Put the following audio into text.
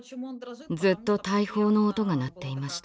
ずっと大砲の音が鳴っていました。